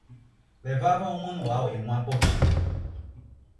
levava um Manual e uma botica.